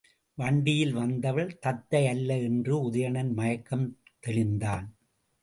வண்டியில் வந்தவள் தத்தை அல்ல என்று உதயணன் மயக்கம் தெளிந்தான்.